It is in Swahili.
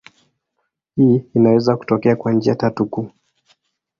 Hii inaweza kutokea kwa njia tatu kuu.